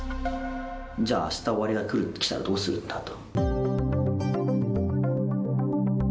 じゃああした終わりが来たら、どうするんだと。